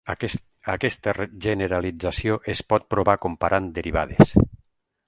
Aquesta generalització es pot provar comparant derivades.